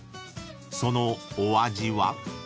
［そのお味は？］